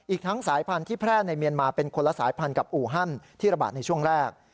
อีกทั้งสายพันธุ์ที่แพร่ในเมียนมาเป็นคนละสายพันธุ์กับอูฮันที่ระบาดในช่วงแรก